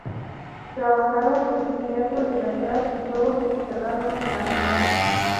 Trabajaron en el Teatro Libertad y luego se instalaron en La Comedia.